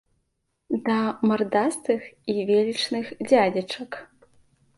Да мардастых і велічных дзядзечак.